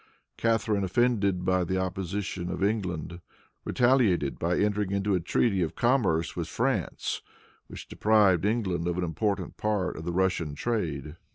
Catharine, offended by the opposition of England, retaliated by entering into a treaty of commerce with France, which deprived England of an important part of the Russian trade.